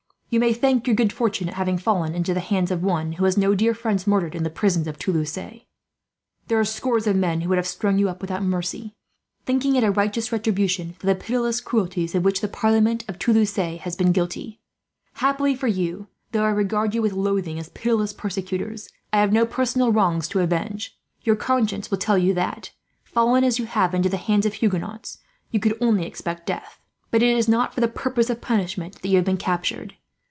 You may thank your good fortune at having fallen into the hands of one who has had no dear friends murdered in the prisons of Toulouse. There are scores of men who would have strung you up without mercy, thinking it a righteous retribution for the pitiless cruelties of which the parliament of Toulouse has been guilty. "Happily for you, though I regard you with loathing as pitiless persecutors, I have no personal wrongs to avenge. Your conscience will tell you that, fallen as you have into the hands of Huguenots, you could only expect death; but it is not for the purpose of punishment that you have been captured.